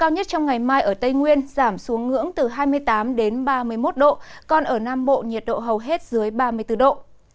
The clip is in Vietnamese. nguyên giảm xuống ngưỡng từ hai mươi tám đến ba mươi một độ còn ở nam bộ nhiệt độ hầu hết dưới ba mươi bốn độ